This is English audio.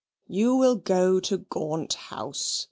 You will go to Gaunt House.